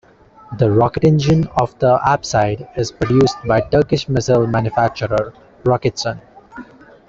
The rocket engine of the Aspide is produced by Turkish missile manufacturer Roketsan.